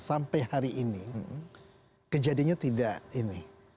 sampai hari ini kejadiannya tidak ini